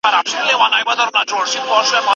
که مورخ بې طرفه نه وي تاریخ بدلیږي.